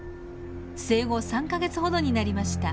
生後３か月ほどになりました。